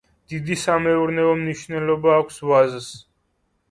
დიდი სამეურნეო მნიშვნელობა აქვს ვაზს.